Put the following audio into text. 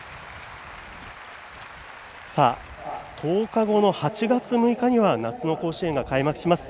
１０日後の８月６日には夏の甲子園が開幕します。